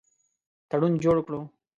تړون جوړ کړو.